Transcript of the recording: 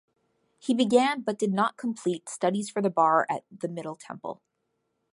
He began, but did not complete, studies for the Bar at the Middle Temple.